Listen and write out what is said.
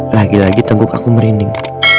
lagi lagi teguk aku merinding